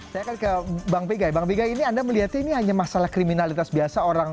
saya akan ke bang pigai bang pigai ini anda melihatnya ini hanya masalah kriminalitas biasa